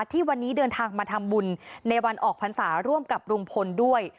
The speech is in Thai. ที่วันนี้เดินทางมาทำบุญในวันออกพรรษาร่วมกับลุงพลด้วย